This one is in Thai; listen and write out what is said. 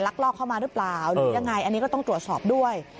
ลอกเข้ามาหรือเปล่าหรือยังไงอันนี้ก็ต้องตรวจสอบด้วย